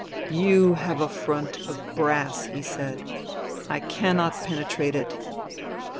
" You have a front of brass," he said. " I cannot penetrate it."